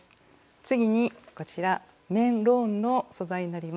次にこちら綿ローンの素材になります。